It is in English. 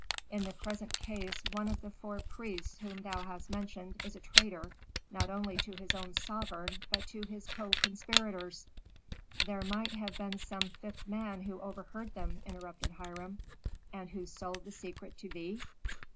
In the present case one of the four priests whom thou hast mentioned is a traitor, not only to his own sovereign, but to his co conspirators " "There might have been some fifth man who overheard them," interrupted Hiram. "And who sold the secret to thee?"